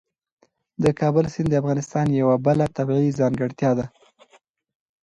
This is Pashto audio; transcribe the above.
د کابل سیند د افغانستان یوه بله طبیعي ځانګړتیا ده.